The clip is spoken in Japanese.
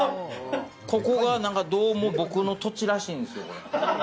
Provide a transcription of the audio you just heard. ここが、どうも僕の土地らしいんですよ。